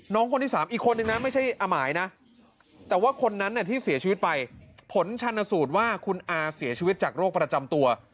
คนที่๓อีกคนนึงนะไม่ใช่อาหมายนะแต่ว่าคนนั้นที่เสียชีวิตไปผลชันสูตรว่าคุณอาเสียชีวิตจากโรคประจำตัว